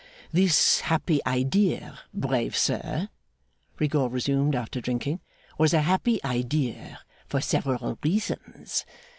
'This happy idea, brave sir,' Rigaud resumed after drinking, 'was a happy idea for several reasons.